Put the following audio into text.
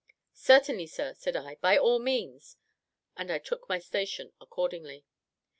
"Certainly, sir," said I, "by all means;" and I took my station accordingly.